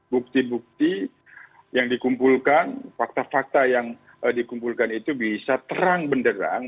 bukti bukti yang dikumpulkan fakta fakta yang dikumpulkan itu bisa terang benderang